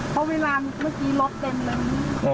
เพราะเวลาเมื่อกี้รถเต็มอย่างนี้